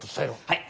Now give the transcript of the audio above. はい。